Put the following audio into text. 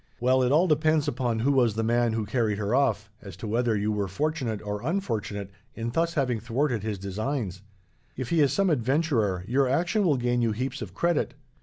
Well, it all depends upon who was the man who carried her off, as to whether you were fortunate or unfortunate in thus having thwarted his designs. If he is some adventurer, your action will gain you heaps of credit.